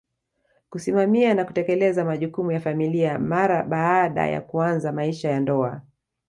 kusimamia na kutekeleza majukumu ya familia mara baada ya kuanza maisha ya ndoa